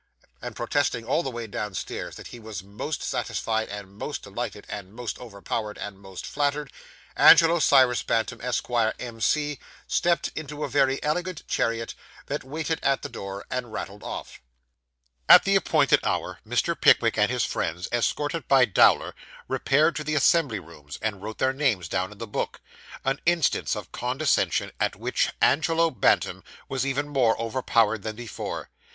and protesting all the way downstairs that he was most satisfied, and most delighted, and most overpowered, and most flattered, Angelo Cyrus Bantam, Esquire, M.C., stepped into a very elegant chariot that waited at the door, and rattled off. At the appointed hour, Mr. Pickwick and his friends, escorted by Dowler, repaired to the Assembly Rooms, and wrote their names down in the book an instance of condescension at which Angelo Bantam was even more overpowered than before.